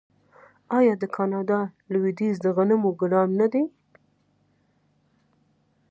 آیا د کاناډا لویدیځ د غنمو ګدام نه دی؟